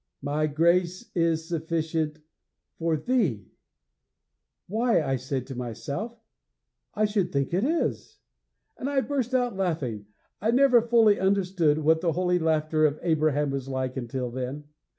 MY grace is sufficient for THEE! "Why," I said to myself, "I should think it is!" and I burst out laughing. I never fully understood what the holy laughter of Abraham was like until then.